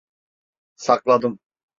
Sakladım.